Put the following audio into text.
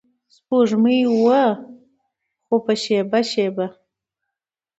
سپوږمۍ وه خو په شیبه شیبه